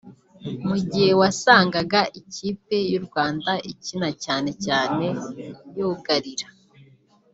mu gihe wasangaga ikipe y’u Rwanda ikina cyane cyane yugarira